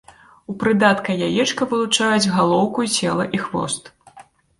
У прыдатка яечка вылучаюць галоўку, цела і хвост.